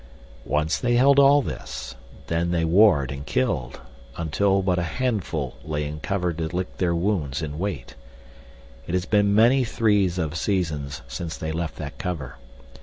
"Once they held all this. Then they warred and killed, until but a handful lay in cover to lick their wounds and wait. It has been many threes of seasons since they left that cover.